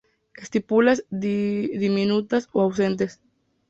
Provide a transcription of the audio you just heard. Estípulas diminutas o ausentes.